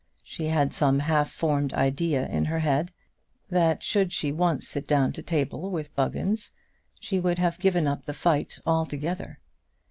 She had some half formed idea in her head that should she once sit down to table with Buggins, she would have given up the fight altogether.